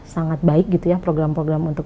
sangat baik gitu ya program program untuk